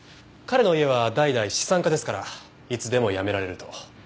彼の家は代々資産家ですからいつでも辞められると。